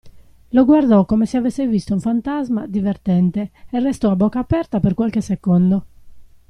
Lo guardò come se avesse visto un fantasma, divertente, e restò a bocca aperta per qualche secondo.